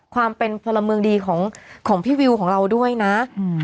ความเป็นพลเมืองดีของของพี่วิวของเราด้วยนะอืม